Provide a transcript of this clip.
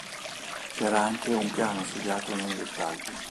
C'era anche un piano studiato nei dettagli.